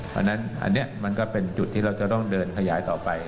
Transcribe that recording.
เพราะฉะนั้นอันนี้มันก็เป็นจุดที่เราจะต้องเดินขยายต่อไป